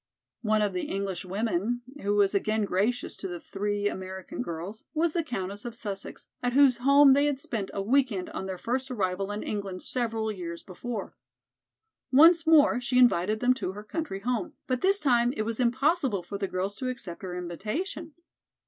One of the English women, who was again gracious to the three American girls, was the Countess of Sussex, at whose home they had spent a week end on their first arrival in England several years before. Once more she invited them to her country home, but this time it was impossible for the girls to accept her invitation.